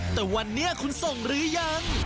แต่วันนี้คุณส่งหรือยัง